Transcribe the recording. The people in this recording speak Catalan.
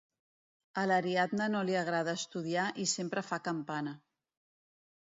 A l'Ariadna no li agrada estudiar i sempre fa campana: